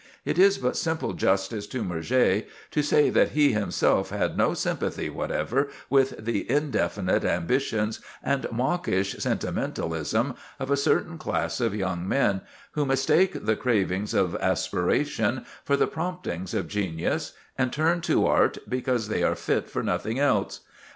It is but simple justice to Murger to say that he himself had no sympathy whatever with the indefinite ambitions and mawkish sentimentalism of a certain class of young men, who mistake the cravings of aspiration for the promptings of genius, and turn to art because they are fit for nothing else.